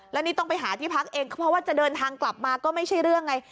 แล้วนี่ต้องไปหาที่พักเองก็เพราะว่าจะเดินทางกลับมาก็ไม่ใช่เรื่องไง